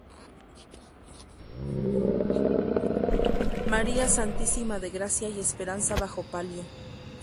María Santísima de Gracia y Esperanza bajo palio.